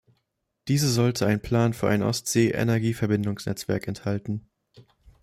Diese sollte einen Plan für ein Ostsee-Energieverbindungsnetzwerk enthalten.